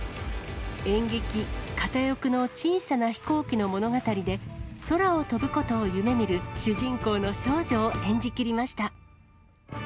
演劇、片翼の小さな飛行機の物語で、空を飛ぶことを夢みる主人公の少女を演じきりました。